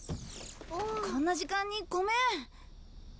こんな時間にごめん。